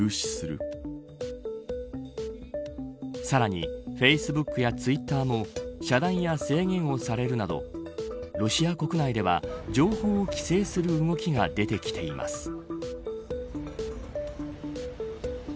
さらにフェイスブックやツイッターも遮断や制限をされるなどロシア国内では、情報を規制する動きが出てきています。